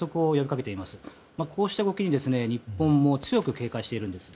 こうした動きにも日本は強く警戒しているんです。